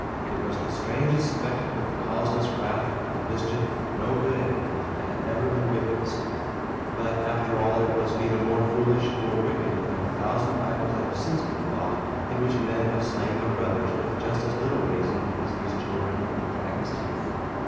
It was the strangest spectacle of causeless wrath, and of mischief for no good end, that had ever been witnessed; but, after all, it was neither more foolish nor more wicked than a thousand battles that have since been fought, in which men have slain their brothers with just as little reason as these children of the dragon's teeth.